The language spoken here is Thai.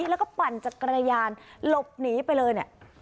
แล้วก็ปั่นจักรยานหลบหนีไปเลยเนี่ย